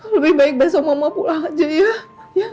lebih baik besok mama pulang aja ya